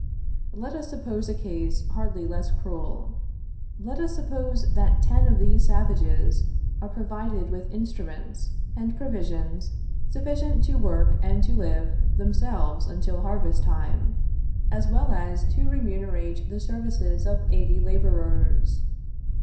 Let us suppose a case hardly less cruel. Let us suppose that ten of these savages are provided with instruments and provisions sufficient to work and to live themselves until harvest time, as well as to remunerate the services of eighty laborers.